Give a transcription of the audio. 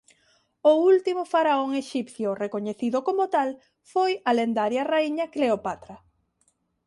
O último faraón exipcio recoñecido como tal foi a lendaria raíña Cleopatra.